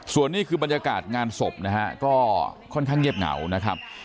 ส่วนนี้คือบรรยากาศงานศพนะฮะก็ค่อนข้างเงียบเหงานะครับ